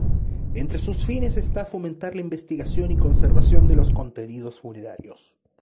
Entre sus fines esta fomentar la investigación y conservación de los contenidos funerarios.